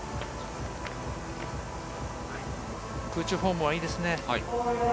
空中フォームはいいですね。